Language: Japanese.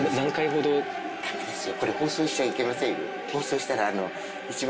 ダメですよ。